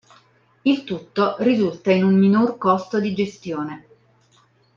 Il tutto risulta in un minor costo di gestione.